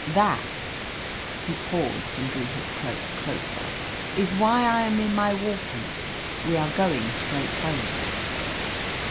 That" he paused and drew his cloak closer "is why I am in my war paint! We are going straight home."